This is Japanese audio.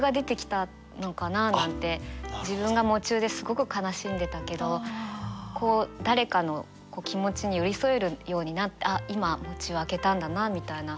自分が喪中ですごく悲しんでたけど誰かの気持ちに寄り添えるようになってあっ今喪中明けたんだなみたいな。